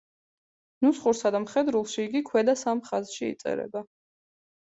ნუსხურსა და მხედრულში იგი ქვედა სამ ხაზში იწერება.